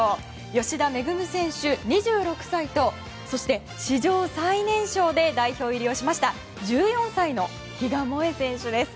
吉田萌選手、２６歳と史上最年少で代表入りをしました１４歳の比嘉もえ選手です。